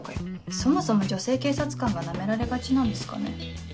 そもそも女性警察官がナメられがちなんですかね。